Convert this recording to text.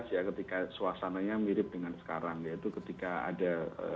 ya ketika suasananya mirip dengan sekarang yaitu ketika ada